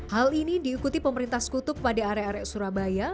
hal ini diikuti pemerintah sekutuk pada arek arek surabaya